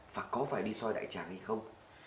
và có phải đi soi đại tràng hay không